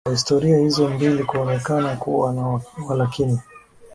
Kwa historia hizo mbili kunaonekana kuwa na walakini